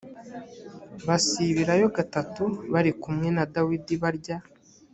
basibirayo gatatu bari kumwe na dawidi barya